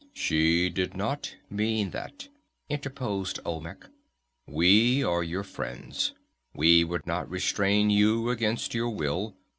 "She did not mean that," interposed Olmec. "We are your friends. We would not restrain you against your will.